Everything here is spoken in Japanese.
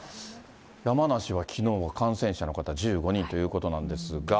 山梨はきのうは感染者の方１５人ということなんですが。